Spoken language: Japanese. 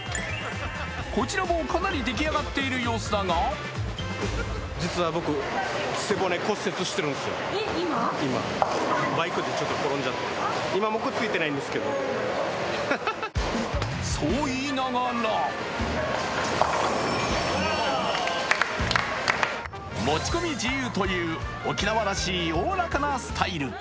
こちらもかなり出来上がっている様子だがそう言いながら持ち込み自由という沖縄らしいおおらかなスタイル。